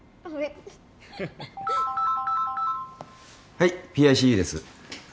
はいＰＩＣＵです。